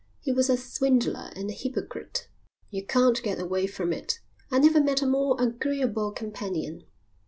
He was a swindler and a hypocrite. You can't get away from it. I never met a more agreeable companion.